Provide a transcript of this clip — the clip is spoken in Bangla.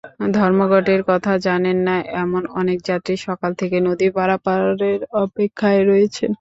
ধর্মঘটের কথা জানেন না—এমন অনেক যাত্রী সকাল থেকে নদী পারাপারের অপেক্ষায় রয়েছেন।